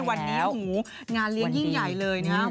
วันนี้โอ้โหงานเลี้ยงยิ่งใหญ่เลยนะครับ